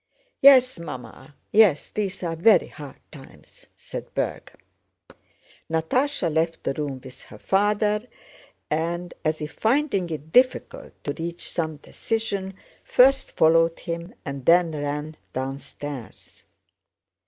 "Yes, Mamma! Yes, these are very hard times!" said Berg. Natásha left the room with her father and, as if finding it difficult to reach some decision, first followed him and then ran downstairs.